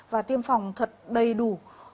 và tiêm phòng thật đầy đủ